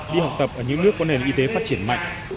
đi học tập ở những nước có nền y tế phát triển mạnh